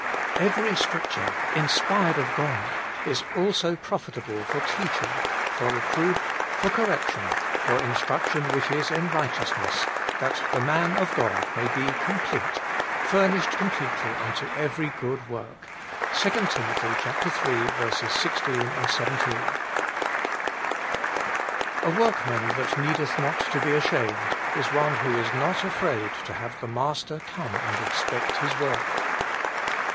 'Every scripture inspired of God is also profit able for teaching, for reproof, for correction, for instruction which is in righteousness ; that the man of God may be complete, furnisJied completely unto every good work.' — 2 Tim. iii. 16, 17. A WORKMAN that needeth not to be ashamed is one who is not afraid to have the master come and inspect his work.